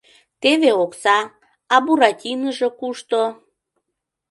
— Теве окса, а Буратиножо кушто?